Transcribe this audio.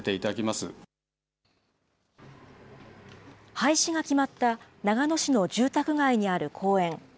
廃止が決まった長野市の住宅街にある公園。